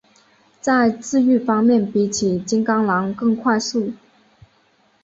在自愈方面比起金钢狼更快速。